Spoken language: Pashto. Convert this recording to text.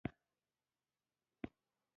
تر څو درد ومنل نه شي، درمل نشته.